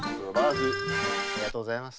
ありがとうございます。